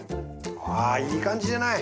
あいい感じじゃない！